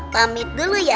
pamit dulu ya